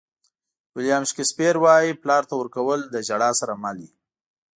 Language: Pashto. ویلیام شکسپیر وایي پلار ته ورکول له ژړا سره مل وي.